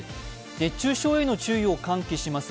熱中症への注意を喚起します